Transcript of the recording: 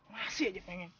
masih aja pengen